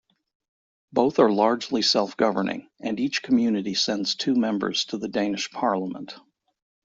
Both are largely self-governing, and each community sends two members to the Danish Parliament.